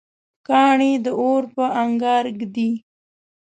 کاڼی د اور په انګار ږدي.